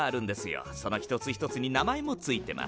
その一つ一つに名前も付いてます。